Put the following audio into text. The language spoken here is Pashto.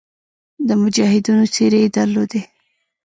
د مجاهدینو څېرې یې درلودې.